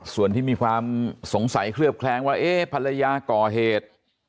ส่วนที่มีความสงสัยเคลือบแคลงว่าเอ๊ะภรรยาก่อเหตุ